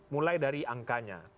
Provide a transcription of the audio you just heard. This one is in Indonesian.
mulai dari angkanya